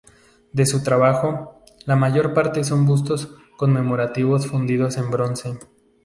De su trabajo, la mayor parte son bustos conmemorativos fundidos en bronce.